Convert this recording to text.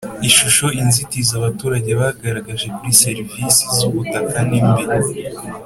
ishusho inzitizi abaturage bagaragaje kuri serivisi z ubutaka n imbi